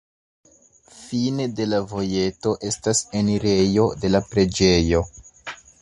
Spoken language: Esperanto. Fine de la vojeto estas enirejo de la preĝejo.